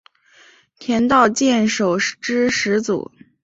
田道间守是之始祖。